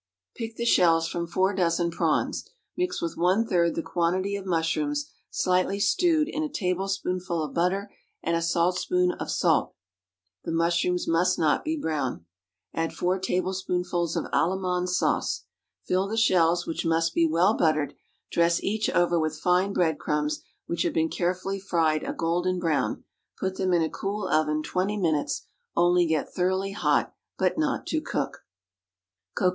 _ Pick the shells from four dozen prawns; mix with one third the quantity of mushrooms slightly stewed in a tablespoonful of butter and a saltspoonful of salt (the mushrooms must not be brown); add four tablespoonfuls of Allemande sauce;[64 *] fill the shells, which must be well buttered, dress each over with fine bread crumbs which have been carefully fried a golden brown; put them in a cool oven twenty minutes, only get thoroughly hot, but not to cook.